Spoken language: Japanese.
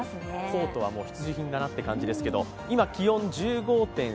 コートは必需品だなという気がしますけど、今、気温、１５．３度。